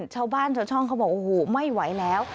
ชาวบ้านชาวช่องเขาบอกโอ้โหไม่ไหวแล้ว